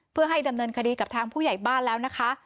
เพื่อให้ดำเนินคดีกับทางผู้ใหญ่บ้านแล้วนะคะ